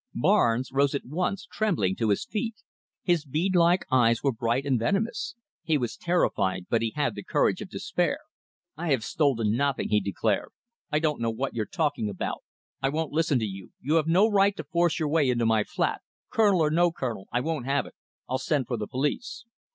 Barnes rose at once, trembling, to his feet. His bead like eyes were bright and venomous. He was terrified, but he had the courage of despair. "I have stolen nothing," he declared, "I don't know what you're talking about. I won't listen to you. You have no right to force your way into my flat. Colonel or no colonel, I won't have it. I'll send for the police."